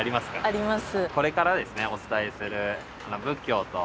あります。